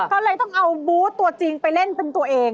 ก็เลยต้องเอาบูธตัวจริงไปเล่นเป็นตัวเอง